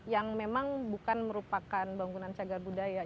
yang memang bukan merupakan bangunan cagar budaya